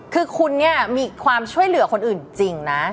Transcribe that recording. คือคุณเนี่ยมีความช่วยเหลือคนอื่นจริงนะ